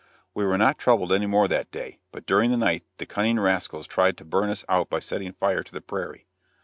We were not troubled any more that day, but during the night the cunning rascals tried to burn us out by setting fire to the prairie.